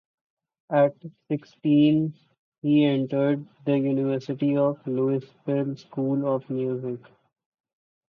At sixteen, he entered the University of Louisville School of Music.